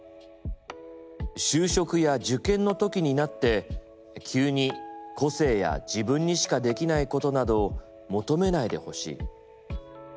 「就職や受験のときになって急に個性や自分にしかできないことなどを求めないでほしい。